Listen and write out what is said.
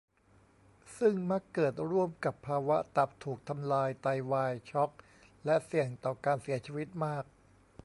ซึ่งมักเกิดร่วมกับภาวะตับถูกทำลาย ไตวาย ช็อก และเสี่ยงต่อการเสียชีวิตมาก